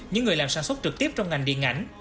những người làm sản xuất trực tiếp trong ngành điện ảnh